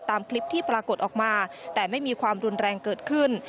ตามคลิปที่ปรากฏออกมาแต่ไม่มีความรุนแรงเกิดขึ้น